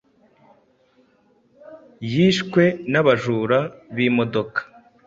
yishwe n’abajura b’imodoka.